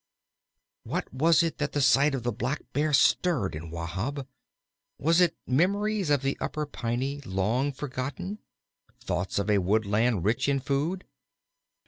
What was it that the sight of that Blackbear stirred in Wahb? Was it memories of the Upper Piney, long forgotten; thoughts of a woodland rich in food?